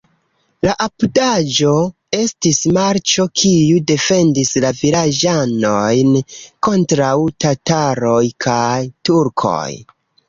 La apudaĵo estis marĉo, kiu defendis la vilaĝanojn kontraŭ tataroj kaj turkoj.